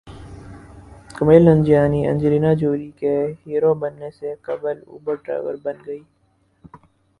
Kumail Nanjiani Angelina Jolie کے hero بننے سے قبل اوبر ڈرائیور بن گئے